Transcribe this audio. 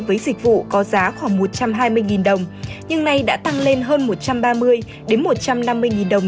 với dịch vụ có giá khoảng một trăm hai mươi đồng nhưng nay đã tăng lên hơn một trăm ba mươi một trăm năm mươi đồng